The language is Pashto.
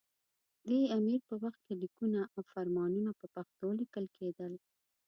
دې امیر په وخت کې لیکونه او فرمانونه په پښتو لیکل کېدل.